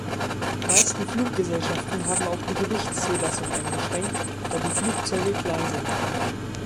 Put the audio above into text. Die meisten Fluggesellschaften haben auch die Gewichtszulassung eingeschränkt, da die Flugzeuge klein sind.